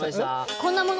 こんなの。